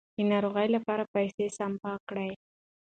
د ناروغۍ لپاره پیسې سپما کړئ.